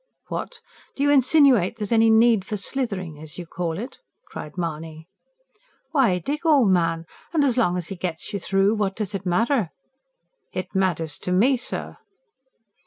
"What? Do you insinuate there's any need for slithering ... as you call it?" cried Mahony. "Why, Dick, old man.... And as long as he gets you through, what does it matter?" "It matters to me, sir!"